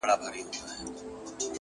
• ځوان خپل څادر پر سر کړ؛